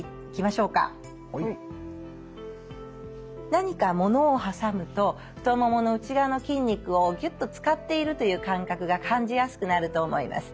何かものを挟むと太ももの内側の筋肉をギュッと使っているという感覚が感じやすくなると思います。